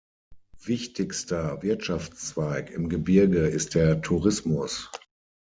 Wichtigster Wirtschaftszweig im Gebirge ist der Tourismus.